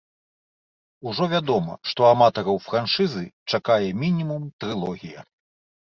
Ужо вядома, што аматараў франшызы чакае мінімум трылогія.